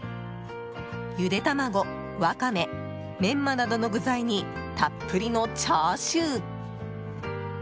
ゆで卵、ワカメメンマなどの具材にたっぷりのチャーシュー。